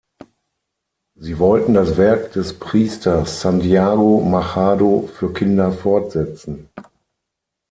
Sie wollten das Werk des Priesters Santiago Machado für Kinder fortsetzen.